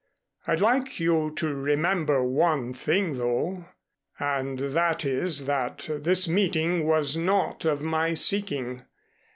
I'd like you to remember one thing, though, and that is that this meeting was not of my seeking.